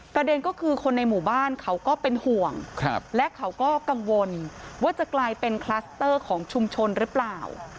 ประเด็นก็คือคนในหมู่บ้านเขาก็เป็นห่วงและเขาก็กังวลว่าจะกลายเป็นคลัสเตอร์ของชุมชนหรือเปล่า